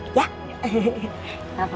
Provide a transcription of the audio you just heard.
kita makan di dalam ya